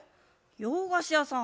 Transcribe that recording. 洋菓子屋さん？